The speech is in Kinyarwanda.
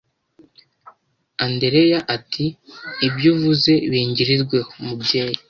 Andereya ati: “Ibyo uvuze bingirirweho” mubyeyi